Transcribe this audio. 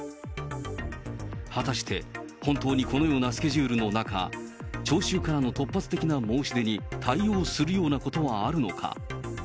果たして、本当にこのようなスケジュールの中、聴衆からの突発的な申し出に対応するようなことはあるのか。